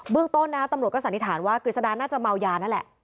ต้นนะตำรวจก็สันนิษฐานว่ากฤษดาน่าจะเมายานั่นแหละ